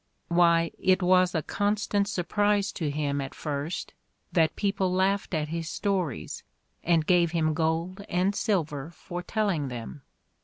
"Why, it was a constant surprise to him at first that people laughed at his stories and gave him gold and silver for telling them!